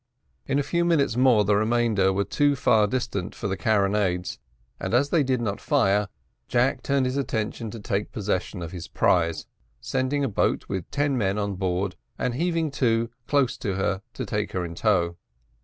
In a few minutes more the remainder were too far distant for the carronades, and, as they did not fire, Jack turned his attention to take possession of his prize, sending a boat with ten men on board, and heaving to close to her to take her in tow.